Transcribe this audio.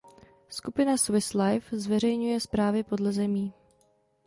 Skupina Swiss Life zveřejňuje zprávy podle zemí.